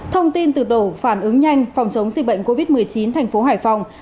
thông tin từ đầu phản ứng nhanh phòng chống si bệnh covid một mươi chín tp hcm